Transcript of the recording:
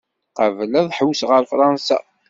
Qabel ad ḥewseɣ ar Fṛansa.